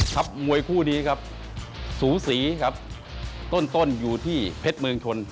ครับมวยคู่นี้ครับสูสีครับต้นต้นอยู่ที่เพชรเมืองชน